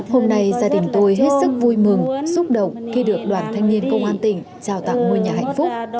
hôm nay gia đình tôi hết sức vui mừng xúc động khi được đoàn thanh niên công an tỉnh trào tặng ngôi nhà hạnh phúc